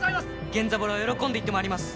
源三郎喜んで行ってまいります。